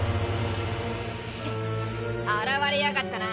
ヘッ現れやがったな。